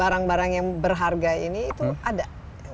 barang barang yang berharga ini itu ada